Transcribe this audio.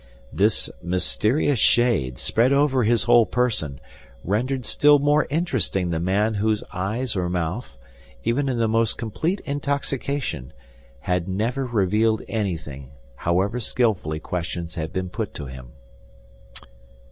This mysterious shade, spread over his whole person, rendered still more interesting the man whose eyes or mouth, even in the most complete intoxication, had never revealed anything, however skillfully questions had been put to him.